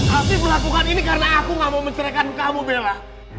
habis melakukan ini karena aku gak mau menceraikan kamu bella